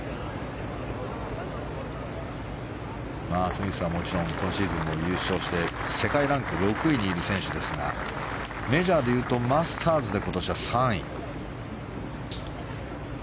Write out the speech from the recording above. スミスはもちろん今シーズンも優勝して世界ランク６位にいる選手ですがメジャーでいうとマスターズで今年は３位。